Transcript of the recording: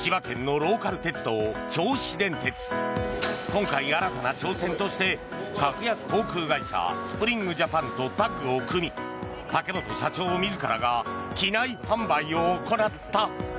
今回、新たな挑戦として格安航空会社スプリング・ジャパンとタッグを組み、竹本社長自らが機内販売を行った。